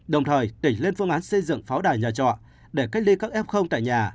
đồng thời tỉnh lên phương án xây dựng pháo đài nhà trọ để cách ly các f tại nhà